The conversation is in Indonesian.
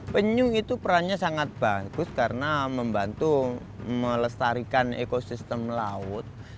penyu itu perannya sangat bagus karena membantu melestarikan ekosistem laut